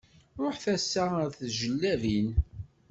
Ruḥeɣ ass-a ar Tijellabin.